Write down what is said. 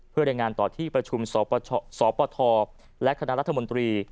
เพื่อรายงานต่อที่ประชุมสปทและคณะรัฐมนตรี